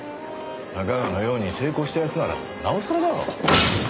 仲川のように成功した奴ならなおさらだろ。